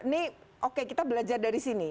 ini oke kita belajar dari sini